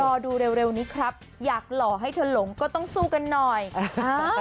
รอดูเร็วนี้ครับอยากหล่อให้เธอหลงก็ต้องสู้กันหน่อยอ่า